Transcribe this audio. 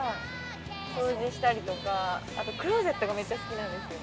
◆掃除したりとか、あと、クローゼットがめっちゃ好きなんですよ。